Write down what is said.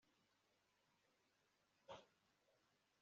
noneho mujye kuryama. ati ngiki ikiryamo cy'abashyitsi